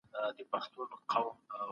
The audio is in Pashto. پخواني واکمنان تر نورو زيات اړ وو.